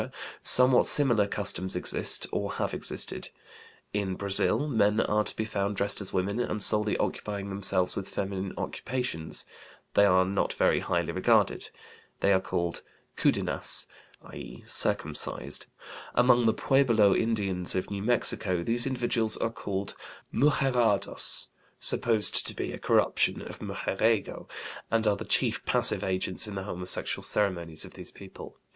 somewhat similar customs exist or have existed. In Brazil men are to be found dressed as women and solely occupying themselves with feminine occupations; they are not very highly regarded. They are called cudinas: i.e., circumcized. Among the Pueblo Indians of New Mexico these individuals are called mujerados (supposed to be a corruption of mujeriego) and are the chief passive agents in the homosexual ceremonies of these people.